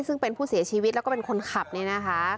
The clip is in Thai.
ซึ่งเป็นผู้เสียชีวิตแล้วก็เป็นคนขับเนี่ยนะคะ